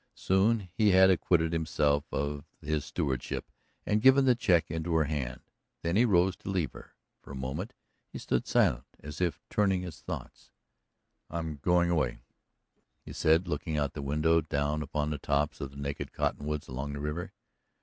Soon he had acquitted himself of his stewardship and given the check into her hand. Then he rose to leave her. For a moment he stood silent, as if turning his thoughts. "I'm going away," he said, looking out of the window down upon the tops of the naked cottonwoods along the river.